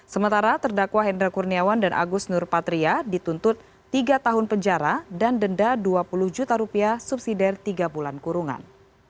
sementara terdakwa hendra kurniawan dan agus nurpatria dituntut tiga tahun penjara dan denda dua puluh juta rupiah subsidi tiga bulan kurungan